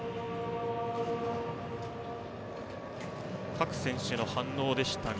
各選手の反応でしたが。